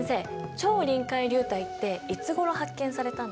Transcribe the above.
超臨界流体っていつごろ発見されたんですか？